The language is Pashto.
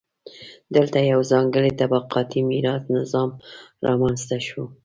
دلته یو ځانګړی طبقاتي میراثي نظام رامنځته شو.